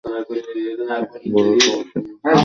অনেক বড় বড় সমস্যা নাকি সমাধান করেছেন।